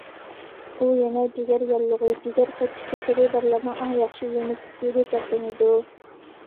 ئۇ يەنە جىگەر ياللۇغى، جىگەر قېتىش كېسىلى بارلارنىڭ ئەڭ ياخشى يېمەكلىكى ھېسابلىنىدۇ.